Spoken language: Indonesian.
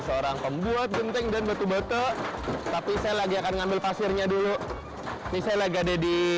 seorang pembuat genteng dan betul betul tapi saya lagi akan ngambil pasirnya dulu misalnya gede di